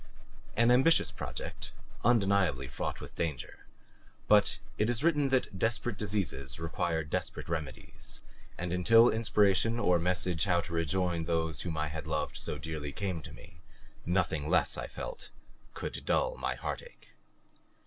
An ambitious project, undeniably fraught with danger; but it is written that desperate diseases require desperate remedies, and until inspiration or message how to rejoin those whom I had loved so dearly came to me, nothing less, I felt, could dull my heartache.